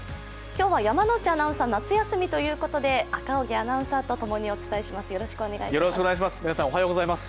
今日は山内アナウンサー夏休みということで赤荻アナウンサーとともにお伝えいたします。